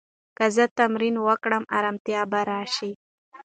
که زه تمرین وکړم، ارامتیا به راشي.